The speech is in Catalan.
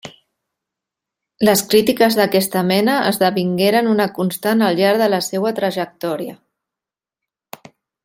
Les crítiques d'aquesta mena esdevingueren una constant al llarg de la seua trajectòria.